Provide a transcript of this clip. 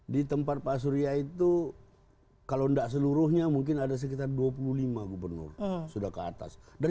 di tempat pak surya itu kalau tidak seluruhnya mungkin ada sekitar dua puluh lima gubernur sudah ke atas dan